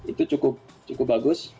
itu cukup bagus